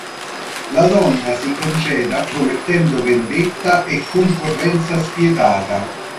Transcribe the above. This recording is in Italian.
La donna si congeda promettendo vendetta e concorrenza spietata.